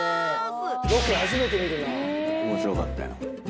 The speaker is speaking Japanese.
ロケ初めて見るなぁ。面白かったよ。